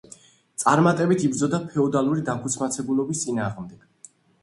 წარმატებით იბრძოდა ფეოდალური დაქუცმაცებულობის წინააღმდეგ.